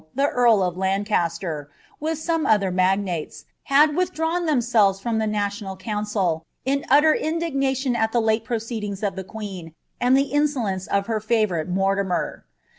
U)ewl of Lancaster, with some other magnates, had withdrawn thenoelvHAvB the national council, in utter indignation at the late proceeding ef tbt (jueen, and the insolence of her favourite Mortimer.